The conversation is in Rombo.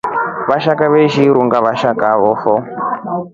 Vashaka veshi irunga veshokafo.